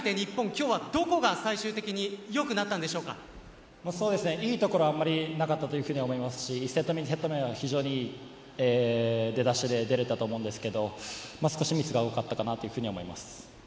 今日は、どこが最終的にいいところはあまりなかったと思いますし１セット目、２セット目は出だしで出れたと思うんですけど少しミスが多かったかなと思います。